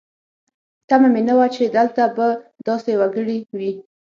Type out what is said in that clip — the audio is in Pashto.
تمه مې نه وه چې دلته به داسې وګړي وي.